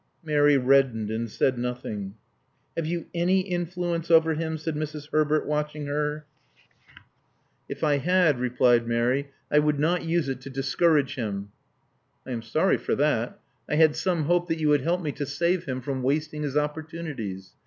Mary reddened, and said nothing. Have you any influence over him?" said Mrs. Herbert, watching her. 34 Love Among the Artists ••If I had," replied Mary. •*! would not use it to discourage him." ••I am sorry for that. I had some hope that you would help me to save him from wasting his opportu nities.